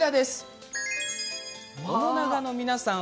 面長の皆さん